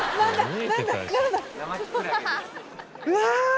うわ！